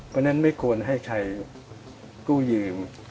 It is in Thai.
เพราะฉะนั้นไม่ควรให้ใครกู้ยืม